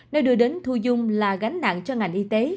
nơi đưa đến thu dung là gánh nặng cho ngành y tế